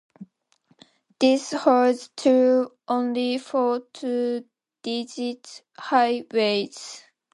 This holds true only for two-digit highways.